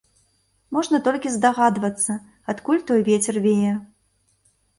Можна толькі здагадвацца, адкуль той вецер вее.